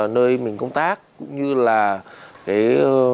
nơi mình công tác cũng như là cái